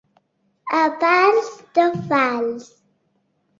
A Pals, tot fals.